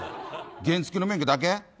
原付きの免許だけ？